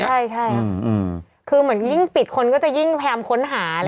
ใช่ใช่ใช่อืมอืมคือเหมือนยิ่งปิดคนก็จะยิ่งแพรมค้นหาอะไรอย่างงี้